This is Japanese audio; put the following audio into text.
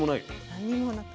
何にもなく。